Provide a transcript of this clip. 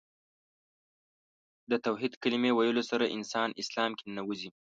د توحید کلمې ویلو سره انسان اسلام کې ننوځي .